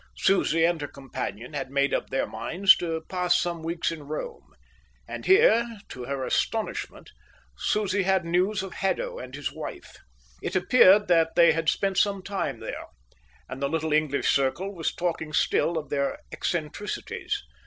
Susie and her companion had made up their minds to pass some weeks in Rome; and here, to her astonishment, Susie had news of Haddo and his wife. It appeared that they had spent some time there, and the little English circle was talking still of their eccentricities.